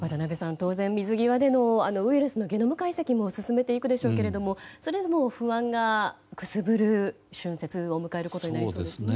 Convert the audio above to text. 当然、水際でのウイルスのゲノム解析も進めていくでしょうけれどもそれでも不安がくすぶる春節を迎えることになりそうですね。